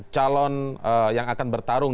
calon yang akan bertarung